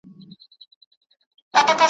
چي په پانوس کي سوځېدلي وي پښېمانه نه ځي `